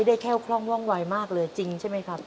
ก็แค่ใช้ได้แค่ข้องว่องวายมากเลยจริงใช่มั้ยครับ